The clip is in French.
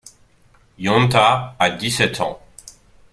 Yonta a dix sept ans.